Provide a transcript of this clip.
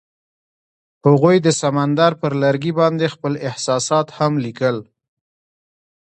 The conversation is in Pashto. هغوی د سمندر پر لرګي باندې خپل احساسات هم لیکل.